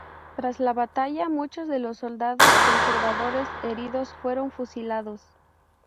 Tras la batalla muchos de los soldados conservadores heridos fueron fusilados.